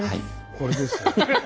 これですよ。